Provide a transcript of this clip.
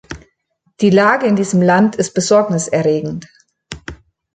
Die Lage in diesem Land ist besorgniserregend.